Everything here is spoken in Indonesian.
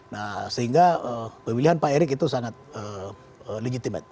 nah sehingga pemilihan pak erick itu sangat legitimat